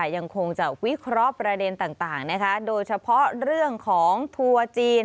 ยังคงจะวิเคราะห์ประเด็นต่างโดยเฉพาะเรื่องของทัวร์จีน